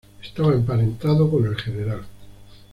Estaba emparentado con el Gral.